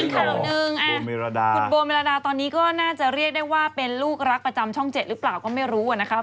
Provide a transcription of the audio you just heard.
ข่าวหนึ่งคุณโบเมรดาตอนนี้ก็น่าจะเรียกได้ว่าเป็นลูกรักประจำช่อง๗หรือเปล่าก็ไม่รู้นะครับ